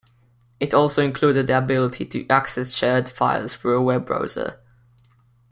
It also included the ability to access shared files through a web browser.